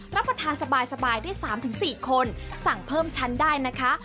รับประทานสบายได้๓๔คนสั่งเพิ่มชั้นได้นะคะ